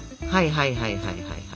はいはいはい。